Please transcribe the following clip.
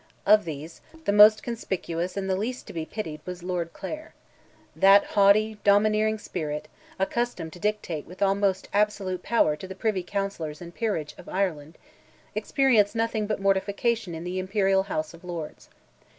Of these, the most conspicuous and the least to be pitied, was Lord Clare. That haughty, domineering spirit, accustomed to dictate with almost absolute power to the Privy Counsellors and peerage of Ireland, experienced nothing but mortification in the Imperial House of Lords.